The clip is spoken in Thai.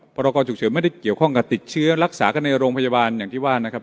พรกรฉุกเฉินไม่ได้เกี่ยวข้องกับติดเชื้อรักษากันในโรงพยาบาลอย่างที่ว่านะครับ